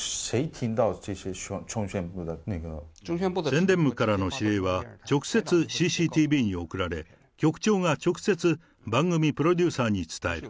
宣伝部からの指令は、直接、ＣＣＴＶに送られ、局長が直接番組プロデューサーに伝える。